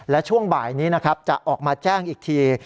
และช่วงบ่ายนี้นะครับจะออกมาแจ้งอีกที